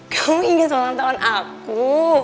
kamu ingin ulang tahun aku